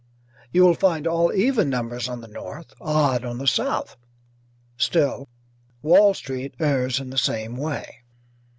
You will find all even numbers on the north, odd on the south. Still, Wall Street errs in the same way.